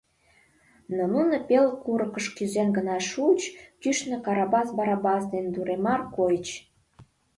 Но нуно пел курыкыш кӱзен гына шуыч, кӱшнӧ Карабас Барабас ден Дуремар койыч.